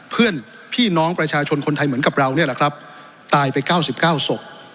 เพื่อนพี่น้องประชาชนคนไทยเหมือนกับเราเนี่ยแหละครับตายไป๙๙ศพ